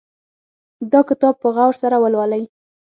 دا کتاب په غور سره ولولئ